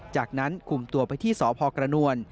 จากนั้นคุมตัวไปที่สพกระนวล